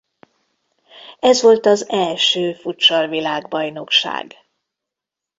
Ez volt az első futsal-világbajnokság.